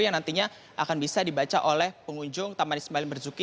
yang nantinya akan bisa dibaca oleh pengunjung taman ismail marzuki